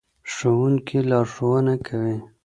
ښوونکي لارښوونه کوي.